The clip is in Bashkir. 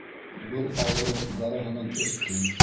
Был ауырыу барыһынан өҫтөн.